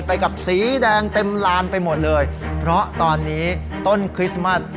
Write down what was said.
ไปกับสีแดงเต็มลานไปหมดเลยเพราะตอนนี้ต้นคริสต์มัส